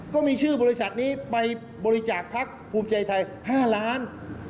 ก็มีชื่อบริษัทนี้ไปบริจาคพักภูมิใจไทย๕ล้าน